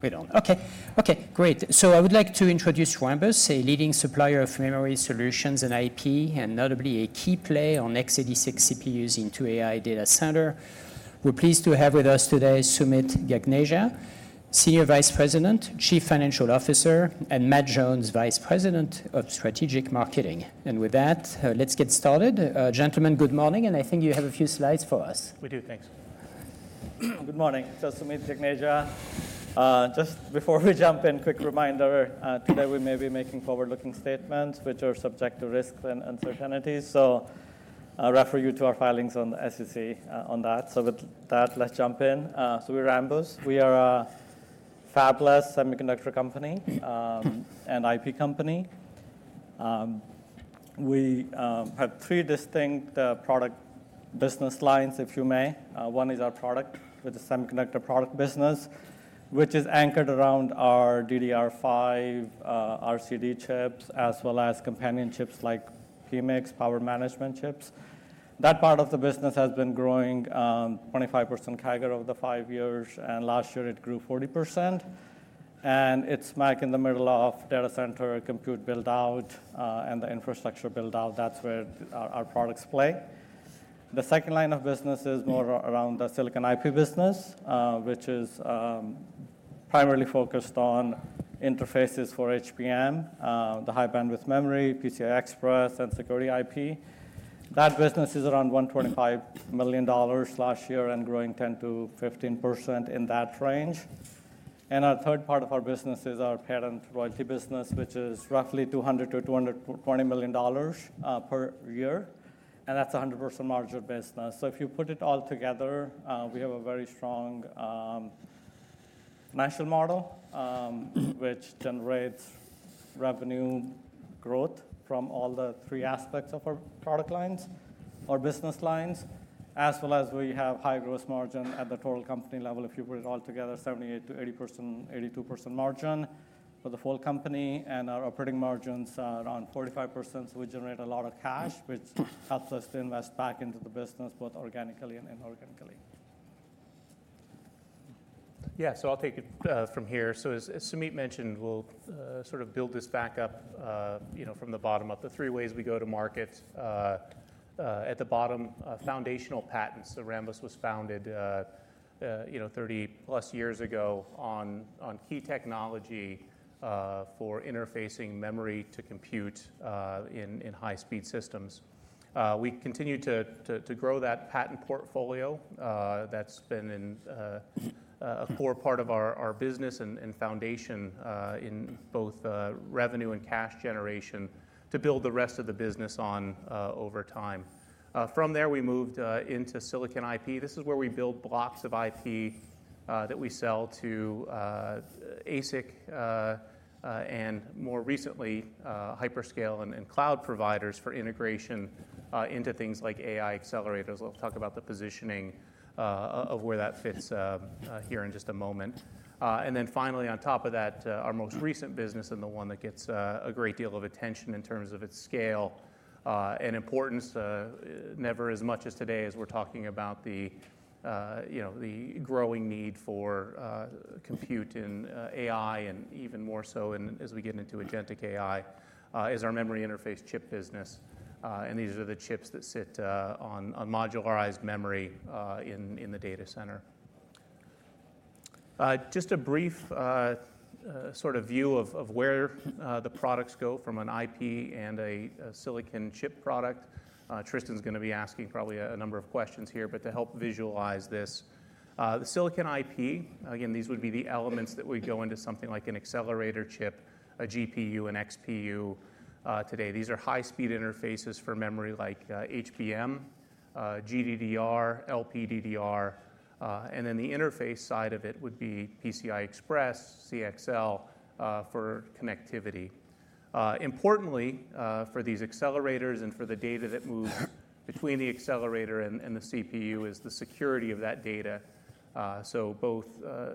Right on. Okay, great. I would like to introduce Rambus, a leading supplier of memory solutions and IP, and notably a key player on x86 CPUs into AI data center. We're pleased to have with us today Sumeet Gagneja, Senior Vice President, Chief Financial Officer, and Matt Jones, Vice President of Strategic Marketing. With that, let's get started. Gentlemen, good morning, and I think you have a few slides for us. We do, thanks. Good morning. Sumeet Gagneja. Just before we jump in, quick reminder, today we may be making forward-looking statements which are subject to risks and uncertainties. I refer you to our filings on the SEC on that. With that, let's jump in. We're Rambus. We are a fabless semiconductor company, and IP company. We have three distinct product business lines. One is our product with the semiconductor product business, which is anchored around our DDR5 RCD chips, as well as companion chips like PMICs, power management chips. That part of the business has been growing 25% CAGR over the five years, and last year it grew 40%. It's smack in the middle of data center compute build-out, and the infrastructure build-out. That's where our products play. The second line of business is more around the silicon IP business, which is primarily focused on interfaces for HBM, the high bandwidth memory, PCI Express, and security IP. That business is around $125 million last year and growing 10%-15% in that range. Our third part of our business is our patent royalty business, which is roughly $200-$220 million per year, and that's 100% margin business. If you put it all together, we have a very strong financial model, which generates revenue growth from all the three aspects of our product lines, our business lines, as well as we have high gross margin at the total company level. If you put it all together, 78%-82% margin for the full company, and our operating margins are around 45%, so we generate a lot of cash, which helps us to invest back into the business, both organically and inorganically. Yeah. I'll take it from here. As Sumeet mentioned, we'll build this back up from the bottom up. The three ways we go to market. At the bottom, foundational patents. Rambus was founded 30+ years ago on key technology for interfacing memory to compute in high-speed systems. We continue to grow that patent portfolio. That's been a core part of our business and foundation, in both revenue and cash generation, to build the rest of the business on over time. From there, we moved into silicon IP. This is where we build blocks of IP that we sell to ASIC, and more recently, hyperscale and cloud providers for integration into things like AI accelerators. We'll talk about the positioning of where that fits here in just a moment. Finally on top of that, our most recent business and the one that gets a great deal of attention in terms of its scale and importance, never as much as today as we're talking about the growing need for compute in AI and even more so as we get into agentic AI, is our memory interface chip business. These are the chips that sit on modularized memory in the data center. Just a brief view of where the products go from an IP and a silicon chip product. Tristan's going to be asking probably a number of questions here, to help visualize this. The silicon IP, again, these would be the elements that would go into something like an accelerator chip, a GPU, an XPU today. These are high-speed interfaces for memory like HBM, GDDR, LPDDR. The interface side of it would be PCI Express, CXL for connectivity. Importantly, for these accelerators and for the data that moves between the accelerator and the CPU is the security of that data. Both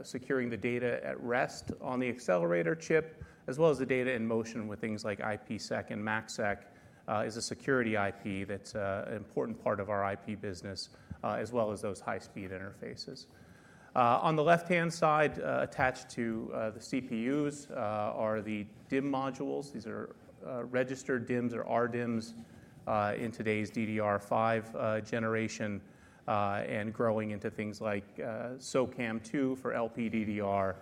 securing the data at rest on the accelerator chip, as well as the data in motion with things like IPsec and MACsec, is a security IP that's an important part of our IP business, as well as those high-speed interfaces. On the left-hand side, attached to the CPUs are the DIMM modules. These are registered DIMMs or RDIMMs in today's DDR5 generation, and growing into things like SO-CAMM2 for LPDDR.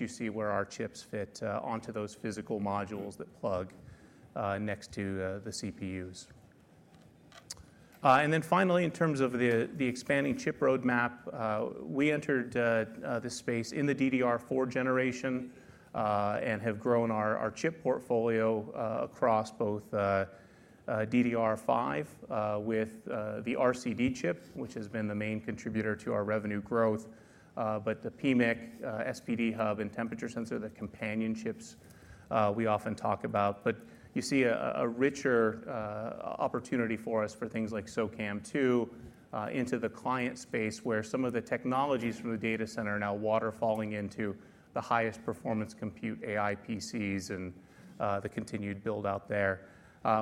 You see where our chips fit onto those physical modules that plug next to the CPUs. Finally, in terms of the expanding chip roadmap, we entered this space in the DDR4 generation, and have grown our chip portfolio across both DDR5 with the RCD chip, which has been the main contributor to our revenue growth. The PMIC, SPD hub, and temperature sensor, the companion chips we often talk about. You see a richer opportunity for us for things like SOCAMM2 into the client space where some of the technologies from the data center are now water falling into the highest performance compute AI PCs and the continued build out there.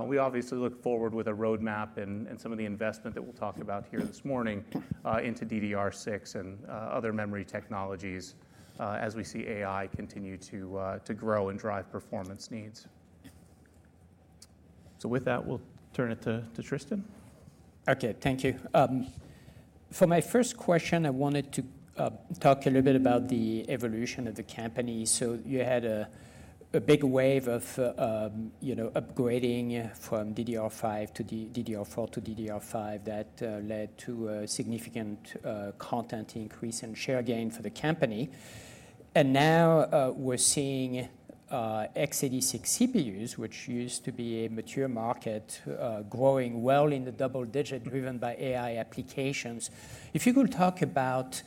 We obviously look forward with a roadmap and some of the investment that we'll talk about here this morning into DDR6 and other memory technologies as we see AI continue to grow and drive performance needs. With that, we'll turn it to Tristan. Okay. Thank you. For my first question, I wanted to talk a little bit about the evolution of the company. You had a big wave of upgrading from DDR4 to DDR5 that led to a significant content increase and share gain for the company. Now we're seeing x86 CPUs, which used to be a mature market, growing well in the double-digit driven by AI applications. If you could talk about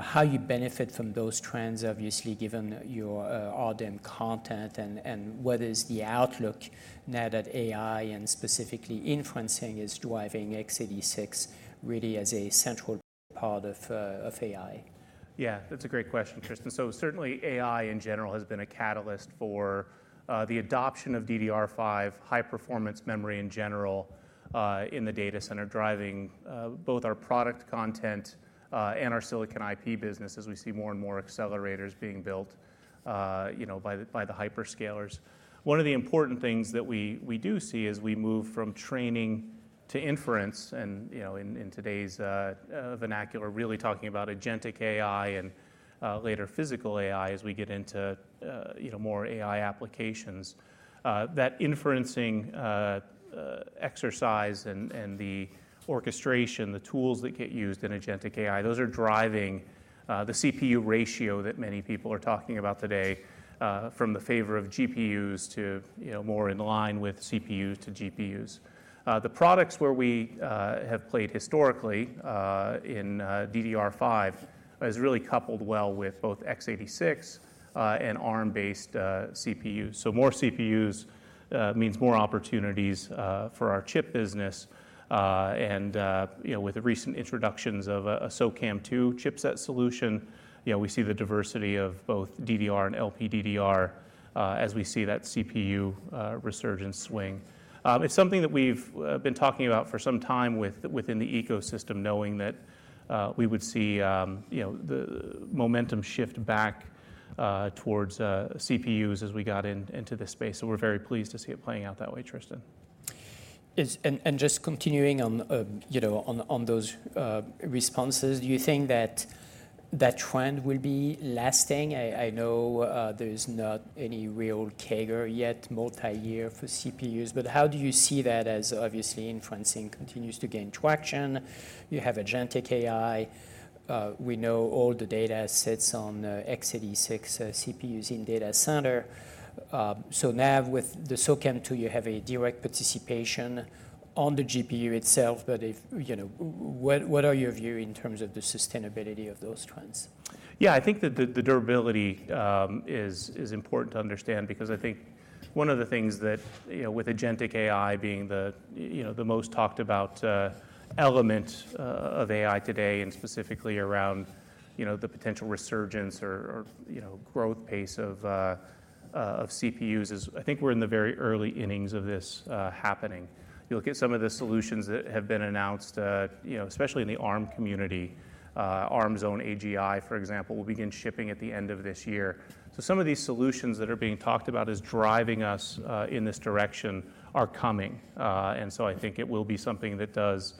how you benefit from those trends, obviously, given your RDIMM content, and what is the outlook now that AI and specifically inferencing is driving x86 really as a central part of AI? Yeah, that's a great question, Tristan. Certainly AI in general has been a catalyst for the adoption of DDR5 high-performance memory in general, in the data center, driving both our product content, and our silicon IP business as we see more and more accelerators being built by the hyperscalers. One of the important things that we do see as we move from training to inference and, in today's vernacular, really talking about agentic AI and later physical AI as we get into more AI applications, that inferencing exercise and the orchestration, the tools that get used in agentic AI, those are driving the CPU ratio that many people are talking about today, from the favor of GPUs to more in line with CPU to GPUs. The products where we have played historically, in DDR5, has really coupled well with both x86, and Arm-based, CPUs. More CPUs means more opportunities for our chip business. With the recent introductions of a SOCAMM2 chipset solution, we see the diversity of both DDR and LPDDR, as we see that CPU resurgence swing. It's something that we've been talking about for some time within the ecosystem, knowing that we would see the momentum shift back towards CPUs as we got into this space. We're very pleased to see it playing out that way, Tristan. Just continuing on those responses, do you think that that trend will be lasting? I know there is not any real CAGR yet multi-year for CPUs, how do you see that as obviously inferencing continues to gain traction? You have agentic AI. We know all the data sits on x86 CPUs in data center. Now with the SOCAMM2, you have a direct participation on the GPU itself. What are your view in terms of the sustainability of those trends? Yeah, I think that the durability is important to understand because I think one of the things that with agentic AI being the most talked about element of AI today, and specifically around the potential resurgence or growth pace of CPUs is I think we're in the very early innings of this happening. You look at some of the solutions that have been announced, especially in the Arm community. Arm's own AGI, for example, will begin shipping at the end of this year. Some of these solutions that are being talked about as driving us in this direction are coming. I think it will be something that does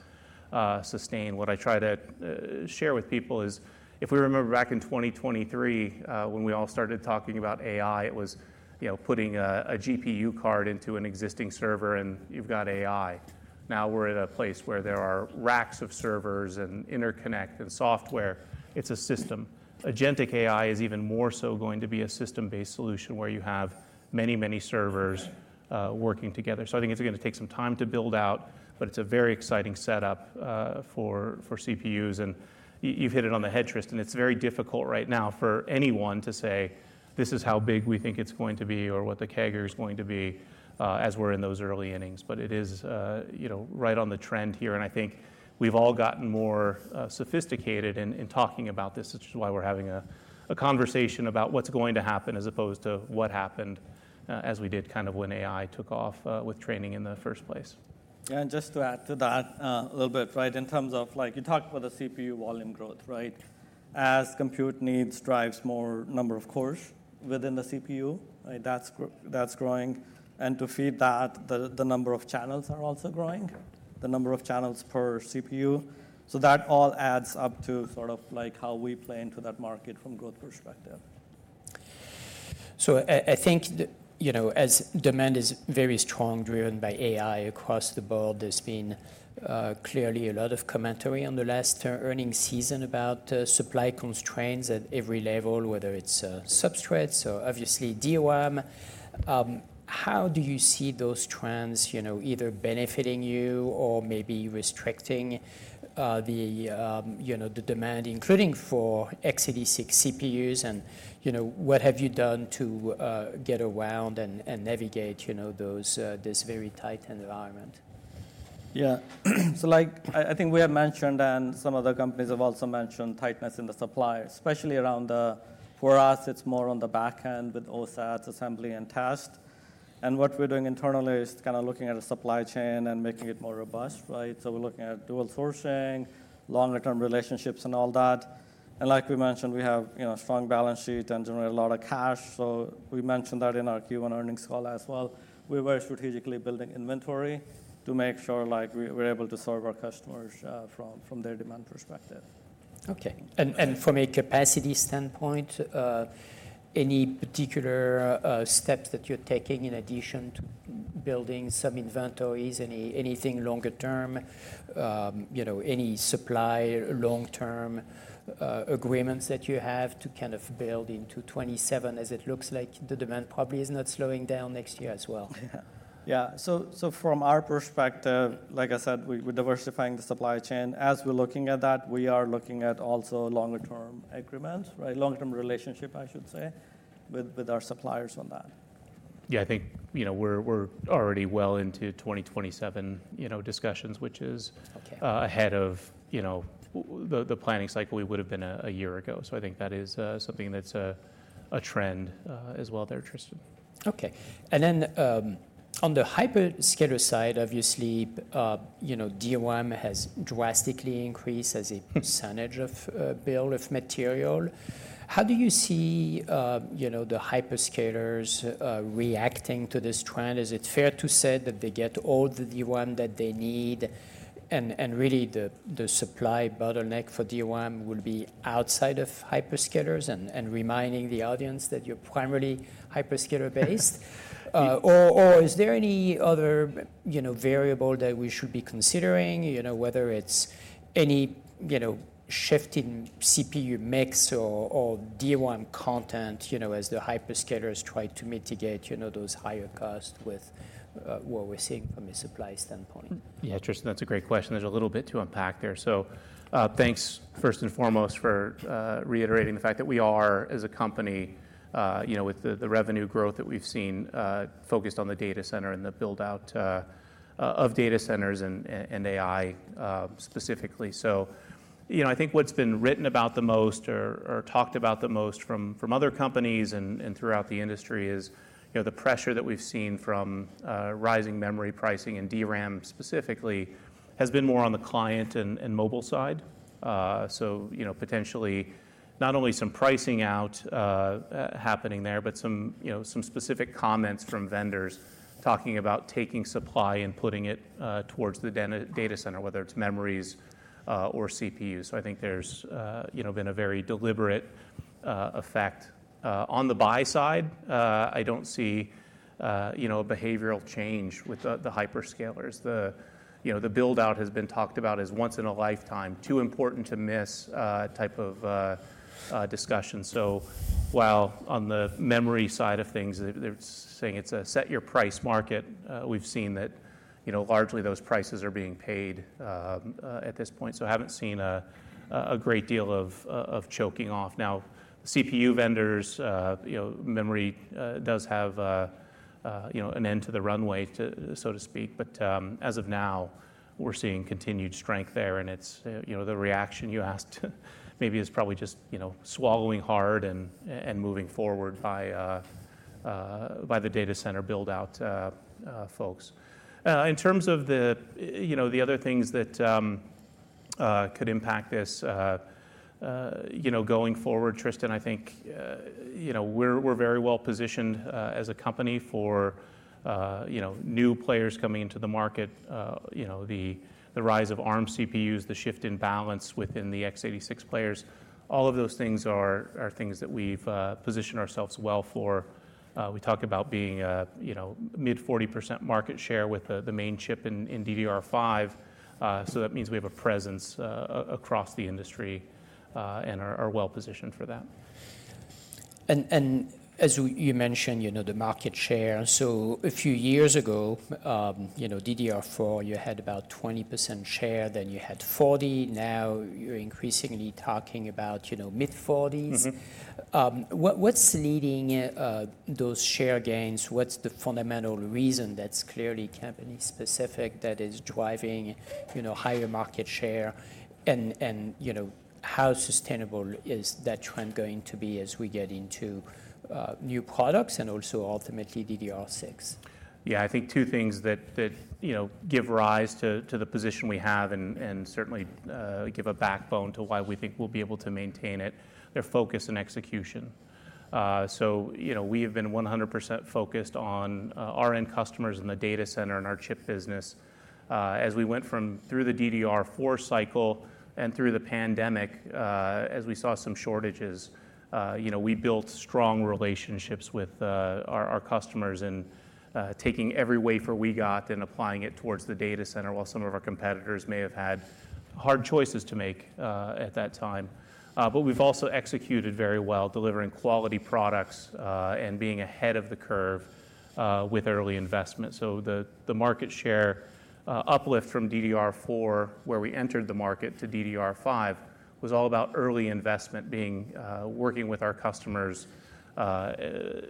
sustain. What I try to share with people is if we remember back in 2023, when we all started talking about AI, it was putting a GPU card into an existing server and you've got AI. We're at a place where there are racks of servers and interconnect and software. It's a system. Agentic AI is even more so going to be a system-based solution where you have many servers working together. I think it's going to take some time to build out, but it's a very exciting setup for CPUs, and you've hit it on the head, Tristan. It's very difficult right now for anyone to say, "This is how big we think it's going to be or what the CAGR is going to be," as we're in those early innings. It is right on the trend here, and I think we've all gotten more sophisticated in talking about this, which is why we're having a conversation about what's going to happen as opposed to what happened, as we did when AI took off with training in the first place. Yeah, just to add to that a little bit, right, in terms of you talked about the CPU volume growth, right? As compute needs drives more number of cores within the CPU, that's growing. To feed that, the number of channels are also growing, the number of channels per CPU. That all adds up to how we play into that market from growth perspective. I think as demand is very strong, driven by AI across the board, there's been clearly a lot of commentary on the last earning season about supply constraints at every level, whether it's substrates or obviously DRAM. How do you see those trends either benefiting you or maybe restricting the demand including for x86 CPUs and what have you done to get around and navigate this very tight environment? Yeah. I think we have mentioned, and some other companies have also mentioned tightness in the supply, especially for us, it's more on the back end with OSATs assembly and test. What we're doing internally is looking at a supply chain and making it more robust. We're looking at dual sourcing, long-term relationships, and all that. Like we mentioned, we have a strong balance sheet and generate a lot of cash. We mentioned that in our Q1 earnings call as well. We're very strategically building inventory to make sure we're able to serve our customers from their demand perspective. Okay. From a capacity standpoint, any particular steps that you're taking in addition to building some inventories? Anything longer term, any supply long-term agreements that you have to build into 2027, as it looks like the demand probably is not slowing down next year as well? Yeah. From our perspective, like I said, we're diversifying the supply chain. As we're looking at that, we are looking at also longer term agreements. Long-term relationship, I should say, with our suppliers on that. Yeah, I think, we're already well into 2027 discussions. Okay ahead of the planning cycle we would've been a year ago. I think that is something that's a trend as well there, Tristan. Okay. On the hyperscaler side, obviously, DRAM has drastically increased as a percentage of bill of material. How do you see the hyperscalers reacting to this trend? Is it fair to say that they get all the DRAM that they need, and really the supply bottleneck for DRAM will be outside of hyperscalers, and reminding the audience that you're primarily hyperscaler based? Is there any other variable that we should be considering, whether it's any shift in CPU mix or DRAM content as the hyperscalers try to mitigate those higher costs with what we're seeing from a supply standpoint? Yeah, Tristan, that's a great question. There's a little bit to unpack there. Thanks first and foremost for reiterating the fact that we are, as a company, with the revenue growth that we've seen, focused on the data center and the build-out of data centers and AI, specifically. I think what's been written about the most or talked about the most from other companies and throughout the industry is the pressure that we've seen from rising memory pricing, and DRAM specifically, has been more on the client and mobile side. Potentially, not only some pricing out happening there, but some specific comments from vendors talking about taking supply and putting it towards the data center, whether it's memories or CPUs. I think there's been a very deliberate effect. On the buy side, I don't see behavioral change with the hyperscalers. The build-out has been talked about as once in a lifetime, too important to miss type of discussion. While on the memory side of things, they're saying it's a set your price market. We've seen that largely those prices are being paid at this point. I haven't seen a great deal of choking off. Now, CPU vendors, memory does have an end to the runway, so to speak. As of now, we're seeing continued strength there, and the reaction you asked maybe is probably just swallowing hard and moving forward by the data center build-out folks. In terms of the other things that could impact this going forward, Tristan, I think we're very well positioned as a company for new players coming into the market. The rise of Arm CPUs, the shift in balance within the x86 players, all of those things are things that we've positioned ourselves well for. We talk about being mid 40% market share with the main chip in DDR5. That means we have a presence across the industry, and are well positioned for that. As you mentioned, the market share. A few years ago, DDR4, you had about 20% share, then you had 40%, now you're increasingly talking about mid-40s%. What's leading those share gains? What's the fundamental reason that's clearly company specific that is driving higher market share, and how sustainable is that trend going to be as we get into new products and also ultimately DDR6? Yeah, I think two things that give rise to the position we have and certainly give a backbone to why we think we'll be able to maintain it, are focus and execution. We have been 100% focused on our end customers in the data center and our chip business. As we went through the DDR4 cycle and through the pandemic, as we saw some shortages, we built strong relationships with our customers and taking every wafer we got and applying it towards the data center while some of our competitors may have had hard choices to make at that time. We've also executed very well, delivering quality products, and being ahead of the curve with early investment. The market share uplift from DDR4, where we entered the market, to DDR5, was all about early investment, working with our customers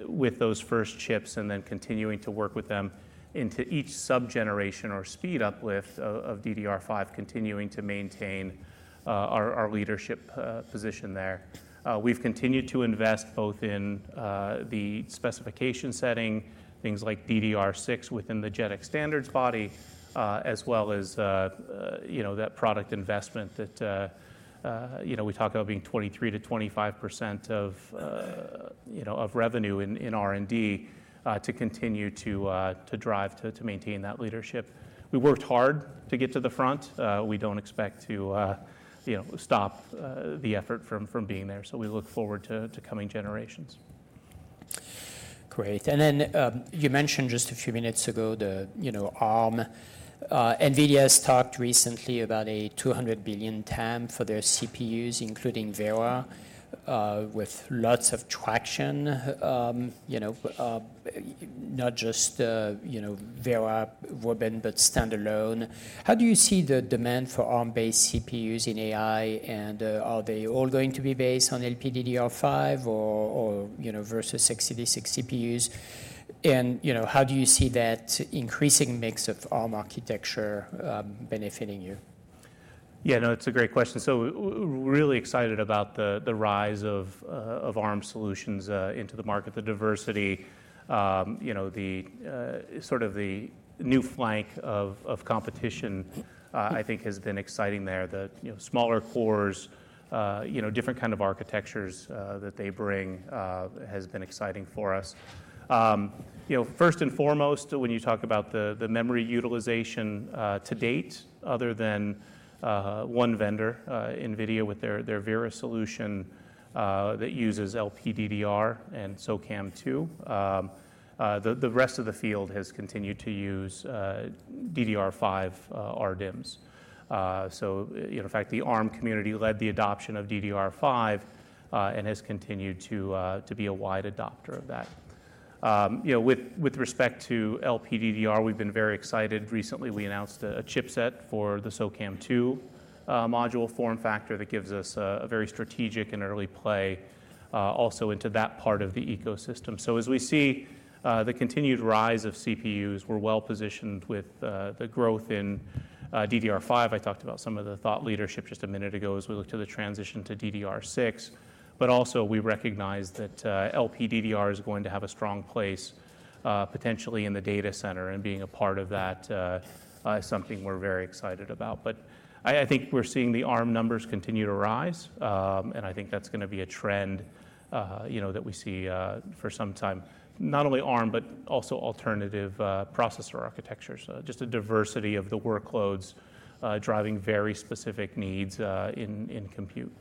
with those first chips and then continuing to work with them into each sub-generation or speed uplift of DDR5, continuing to maintain our leadership position there. We've continued to invest both in the specification setting, things like DDR6 within the JEDEC standards body, as well as that product investment that we talk about being 23%-25% of revenue in R&D to continue to drive to maintain that leadership. We worked hard to get to the front. We don't expect to stop the effort from being there. We look forward to coming generations. Great. You mentioned just a few minutes ago, Arm. NVIDIA has talked recently about a $200 billion TAM for their CPUs, including Vera, with lots of traction. Not just Vera Rubin, but standalone. How do you see the demand for Arm-based CPUs in AI? Are they all going to be based on LPDDR5 or versus x86 CPUs? How do you see that increasing mix of Arm architecture benefiting you? Yeah, no, it's a great question. Really excited about the rise of Arm solutions into the market. The diversity, the new flank of competition, I think has been exciting there. The smaller cores, different kind of architectures that they bring has been exciting for us. First and foremost, when you talk about the memory utilization to date, other than one vendor, NVIDIA, with their Vera solution that uses LPDDR and SOCAMM2. The rest of the field has continued to use DDR5 RDIMMs. In fact, the Arm community led the adoption of DDR5, and has continued to be a wide adopter of that. With respect to LPDDR, we've been very excited. Recently, we announced a chipset for the SOCAMM2 module form factor that gives us a very strategic and early play also into that part of the ecosystem. As we see the continued rise of CPUs, we're well-positioned with the growth in DDR5. I talked about some of the thought leadership just a minute ago as we look to the transition to DDR6. Also we recognize that LPDDR is going to have a strong place, potentially in the data center, and being a part of that is something we're very excited about. I think we're seeing the Arm numbers continue to rise. I think that's going to be a trend that we see for some time. Not only Arm, but also alternative processor architectures. Just a diversity of the workloads driving very specific needs in compute.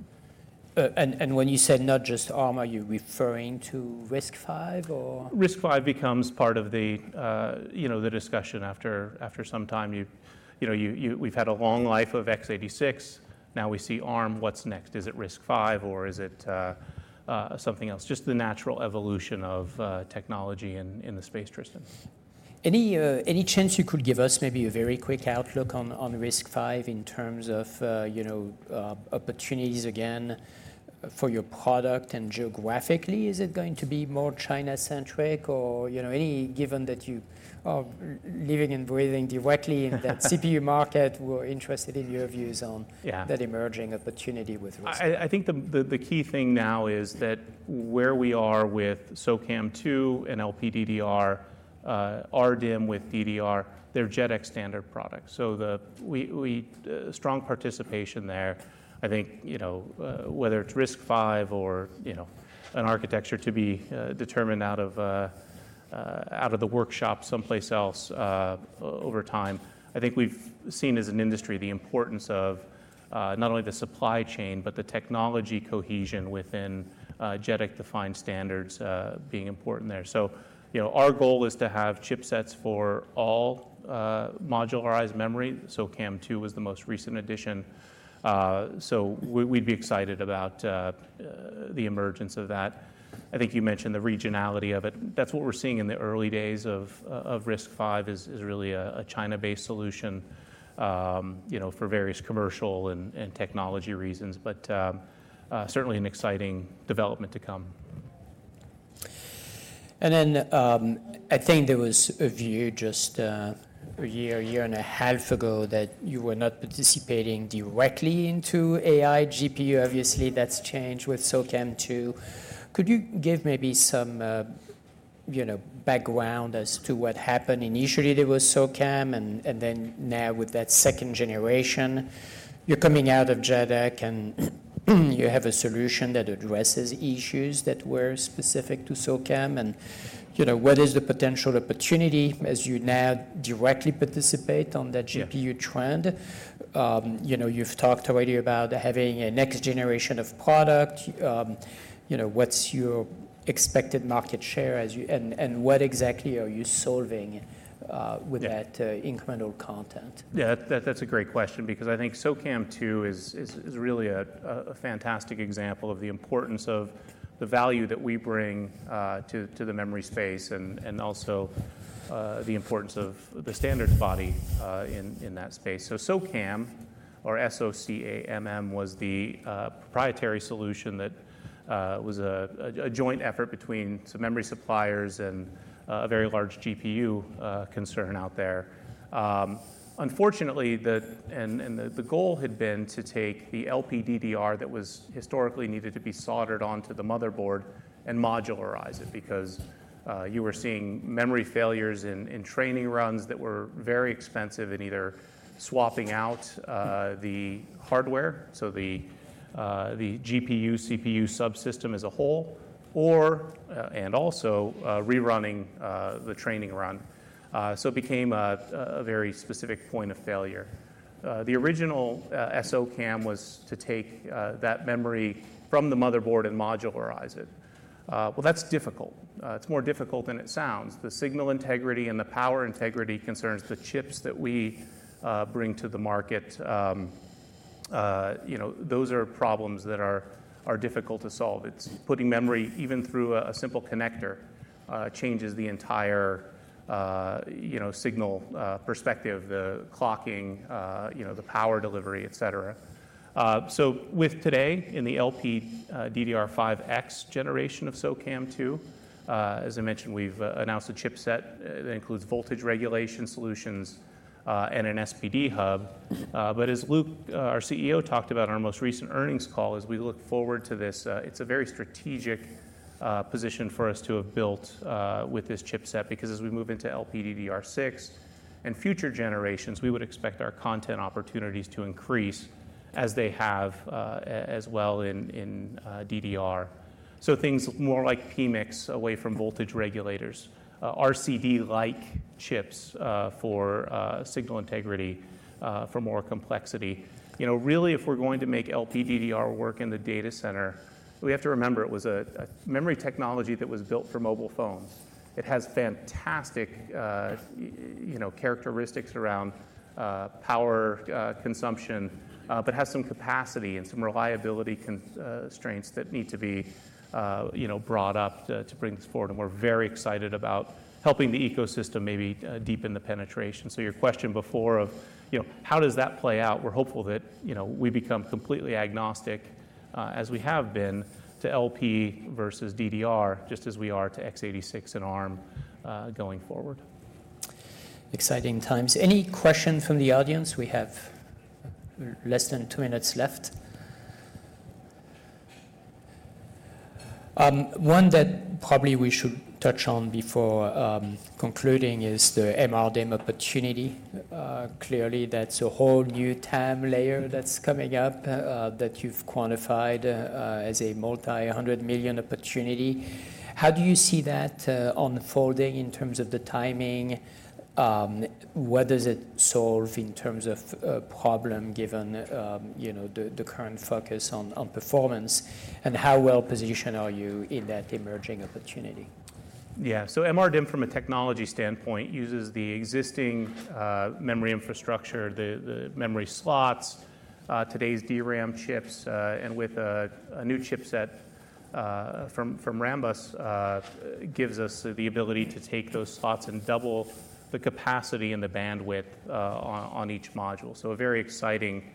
When you said not just Arm, are you referring to RISC-V or? RISC-V becomes part of the discussion after some time. We've had a long life of x86. Now we see Arm. What's next? Is it RISC-V or is it something else? Just the natural evolution of technology in the space, Tristan. Any chance you could give us maybe a very quick outlook on RISC-V in terms of opportunities again for your product? Geographically, is it going to be more China-centric or any given that you are living and breathing directly in that CPU market, we're interested in your views on? Yeah that emerging opportunity with RISC-V. I think the key thing now is that where we are with SOCAMM2 and LPDDR, RDIMM with DDR, they're JEDEC standard products. Strong participation there. I think, whether it's RISC-V or an architecture to be determined out of the workshop someplace else. Over time, I think we've seen as an industry the importance of not only the supply chain, but the technology cohesion within JEDEC-defined standards being important there. Our goal is to have chipsets for all modularized memory. SOCAMM2 was the most recent addition. We'd be excited about the emergence of that. I think you mentioned the regionality of it. That's what we're seeing in the early days of RISC-V, is really a China-based solution for various commercial and technology reasons. Certainly an exciting development to come. Then, I think there was a view just a year and a half ago that you were not participating directly into AI GPU. Obviously, that's changed with SOCAMM2. Could you give maybe some background as to what happened? Initially there was SOCAMM and then now with that second generation, you're coming out of JEDEC and you have a solution that addresses issues that were specific to SOCAMM and what is the potential opportunity as you now directly participate on that GPU trend? You've talked already about having a next generation of product. What's your expected market share? What exactly are you solving with that incremental content? Yeah, that's a great question because I think SO-CAMM2 is really a fantastic example of the importance of the value that we bring to the memory space and also the importance of the standards body in that space. SO-CAMM or S-O-C-A-M-M was the proprietary solution that was a joint effort between some memory suppliers and a very large GPU concern out there. Unfortunately, and the goal had been to take the LPDDR that was historically needed to be soldered onto the motherboard and modularize it, because you were seeing memory failures in training runs that were very expensive in either swapping out the hardware, so the GPU-CPU subsystem as a whole, or, and also rerunning the training run. It became a very specific point of failure. The original SO-CAMM was to take that memory from the motherboard and modularize it. Well, that's difficult. It's more difficult than it sounds. The signal integrity and the power integrity concerns, the chips that we bring to the market, those are problems that are difficult to solve. It's putting memory, even through a simple connector, changes the entire signal perspective, the clocking, the power delivery, et cetera. With today, in the LPDDR5X generation of SOCAMM2, as I mentioned, we've announced a chipset that includes voltage regulation solutions and an SPD hub. As Luc, our CEO, talked about on our most recent earnings call, as we look forward to this, it's a very strategic position for us to have built with this chipset because as we move into LPDDR6 and future generations, we would expect our content opportunities to increase as they have as well in DDR. Things more like PMIC, away from voltage regulators. RCD-like chips for signal integrity for more complexity. Really, if we're going to make LPDDR work in the data center, we have to remember it was a memory technology that was built for mobile phones. It has fantastic characteristics around power consumption. It has some capacity and some reliability constraints that need to be brought up to bring this forward. We're very excited about helping the ecosystem maybe deepen the penetration. Your question before of how does that play out? We're hopeful that we become completely agnostic as we have been to LP versus DDR, just as we are to x86 and Arm going forward. Exciting times. Any question from the audience? We have less than two minutes left. One that probably we should touch on before concluding is the MRDIMM opportunity. Clearly, that's a whole new TAM layer that's coming up that you've quantified as a $multi-hundred million opportunity. How do you see that unfolding in terms of the timing? What does it solve in terms of problem given the current focus on performance? How well-positioned are you in that emerging opportunity? Yeah. MRDIMM from a technology standpoint uses the existing memory infrastructure, the memory slots, today's DRAM chips. With a new chipset from Rambus, gives us the ability to take those slots and double the capacity and the bandwidth on each module. A very exciting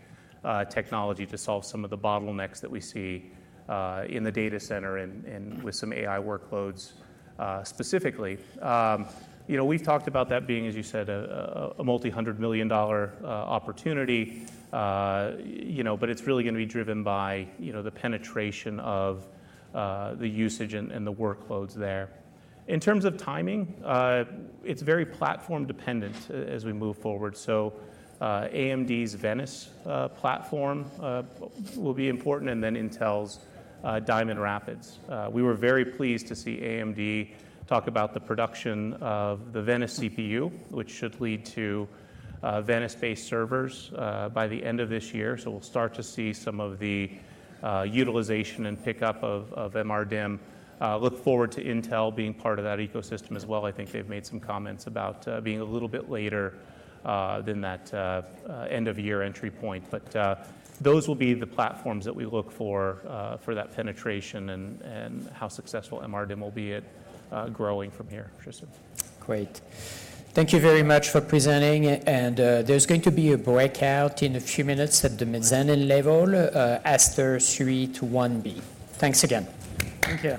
technology to solve some of the bottlenecks that we see in the data center and with some AI workloads specifically. We've talked about that being, as you said, a $multi-hundred million opportunity. It's really going to be driven by the penetration of the usage and the workloads there. In terms of timing, it's very platform dependent as we move forward. AMD's Venice platform will be important and then Intel's Diamond Rapids. We were very pleased to see AMD talk about the production of the Venice CPU, which should lead to Venice-based servers by the end of this year. We'll start to see some of the utilization and pickup of MRDIMM. Look forward to Intel being part of that ecosystem as well. I think they've made some comments about being a little bit later than that end of year entry point. Those will be the platforms that we look for that penetration and how successful MRDIMM will be at growing from here, Tristan. Great. Thank you very much for presenting. There's going to be a breakout in a few minutes at the mezzanine level, Astor 3 to 1B. Thanks again. Thank you.